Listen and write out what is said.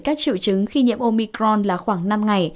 các triệu chứng khi nhiễm omicron là khoảng năm ngày